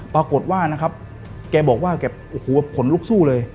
ปรากฏว่านะครับแกบอกว่าแกโอ้โหขนลุกสู้เลย